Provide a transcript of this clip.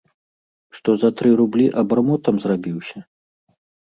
Што за тры рублі абармотам зрабіўся?!